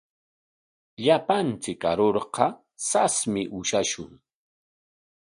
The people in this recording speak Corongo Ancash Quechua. Llapanchik arurqa sasmi ushashun.